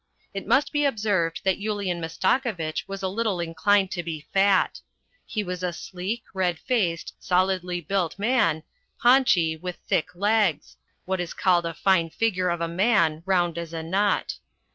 It must be observed that Yulian Mastakovitch was a little inclined to be fat. He was a sleek, red faced, solidly built man, paunchy, with thick legs; what is called a fine figure of a man, round as a nut.